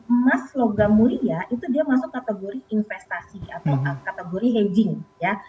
emas logam mulia itu dia masuk kategori investasi atau kategori hedging ya